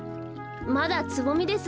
まだつぼみです。